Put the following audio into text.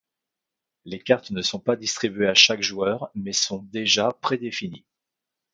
Les cartes ne sont pas distribuées à chaque joueur mais sont déjà pré-définies.